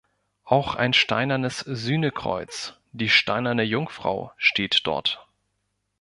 Auch ein steinernes Sühnekreuz, die „Steinerne Jungfrau“ steht dort.